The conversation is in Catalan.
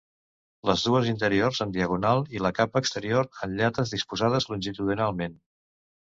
Les dues interiors en diagonal i la capa exterior en llates disposades longitudinalment.